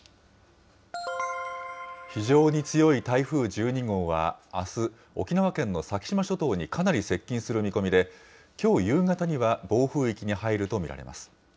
非常に強い台風１２号はあす、沖縄県の先島諸島にかなり接近する見込みで、きょう夕方には暴風域に入ると見られます。